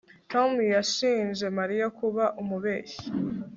Tom yashinje Mariya kuba umubeshyi